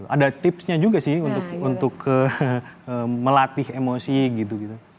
ada tipsnya juga sih untuk melatih emosi gitu gitu